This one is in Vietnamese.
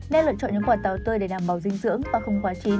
nên lựa chọn những quả táo tươi để đảm bảo dinh dưỡng và không quá chín